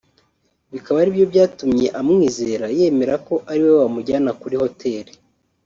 bikaba aribyo byatumye amwizera yemera ko ariwe wamujyana kuri hoteli